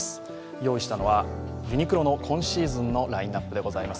用意したのはユニクロの今シーズンのラインナップです。